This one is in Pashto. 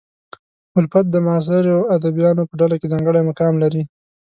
الفت د معاصرو ادیبانو په ډله کې ځانګړی مقام لري.